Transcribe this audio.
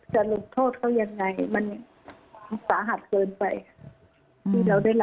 จะหลุดโทษเขายังไงมันสาหัสเกินไป